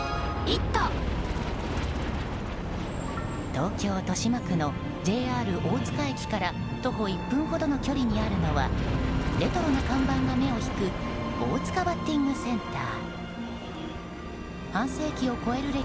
東京・豊島区のＪＲ大塚駅から徒歩１分ほどの距離にあるのはレトロな看板が目を引く大塚バッティングセンター。